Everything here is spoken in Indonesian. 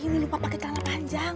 ini lupa pakai kala panjang